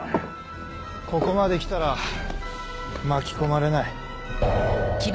ここまで来たら巻き込まれない。